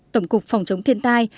tổng cục phòng chống thiên tai